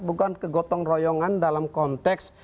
bukan kegotong royongan dalam konteks